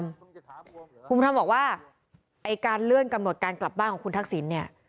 คุณภูมิธรรมบอกว่าไอ้การเลื่อนกำหนดการกลับบ้านของคุณทักษิณเนี่ย